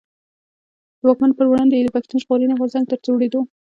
د واکمنو پر وړاندي يې د پښتون ژغورني غورځنګ تر جوړېدو.